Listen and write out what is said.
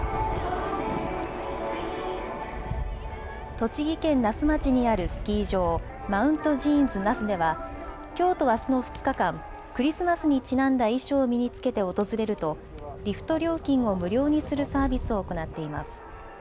栃木県那須町にあるスキー場、マウントジーンズ那須ではきょうとあすの２日間、クリスマスにちなんだ衣装を身に着けて訪れるとリフト料金を無料にするサービスを行っています。